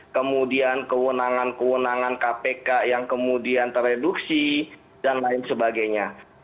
kemudian kewenangan kewenangan kpk yang kemudian tereduksi dan lain sebagainya